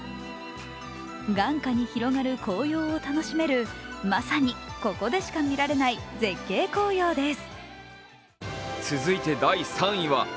眼下に広がる紅葉を楽しめるまさに、ここでしか見られない絶景紅葉です。